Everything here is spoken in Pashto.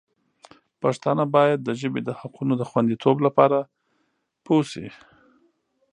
پښتانه باید د ژبې د حقونو د خوندیتوب لپاره پوه شي.